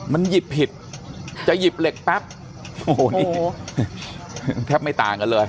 มันหยิบผิดจะหยิบเหล็กแป๊บโอ้โหนี่แทบไม่ต่างกันเลย